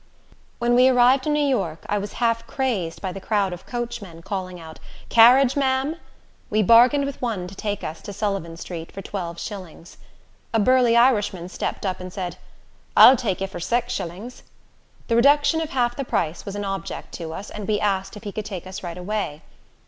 When we arrived in New York, I was half crazed by the crowd of coachmen calling out, "Carriage, ma'am?" We bargained with one to take us to Sullivan Street for twelve shillings. A burly Irishman stepped up and said, "I'll tak' ye for sax shillings." The reduction of half the price was an object to us, and we asked if he could take us right away.